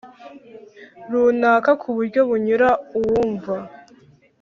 runaka ku buryo bunyura uwumva